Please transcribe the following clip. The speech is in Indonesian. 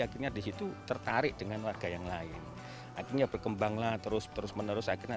akhirnya disitu tertarik dengan warga yang lain artinya berkembanglah terus terus menerus akhirnya